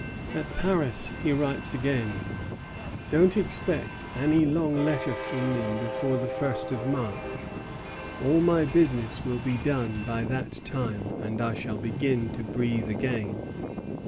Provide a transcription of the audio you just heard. At Paris he writes again: "Don't expect any long letter from me before the first of March; all my business will be done by that time, and I shall begin to breathe again.